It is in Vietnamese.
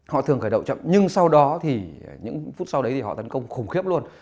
họ thường khởi đầu chậm nhưng sau đó thì những phút sau đấy thì họ tấn công khủng khiếp luôn